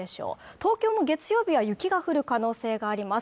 東京も月曜日は雪が降る可能性があります